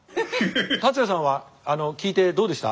達哉さんは聞いてどうでした？